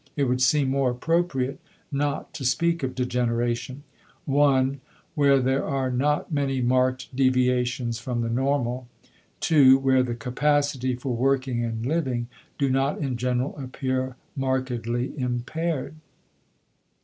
It would seem more appropriate not to speak of degeneration: (1) Where there are not many marked deviations from the normal; (2) where the capacity for working and living do not in general appear markedly impaired.